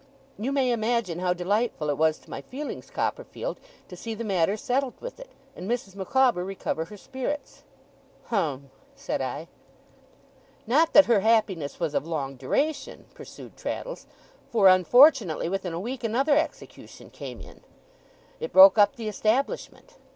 You may imagine how delightful it was to my feelings, Copperfield, to see the matter settled with it, and Mrs. Micawber recover her spirits.' 'Hum!' said I. 'Not that her happiness was of long duration,' pursued Traddles, 'for, unfortunately, within a week another execution came in. It broke up the establishment.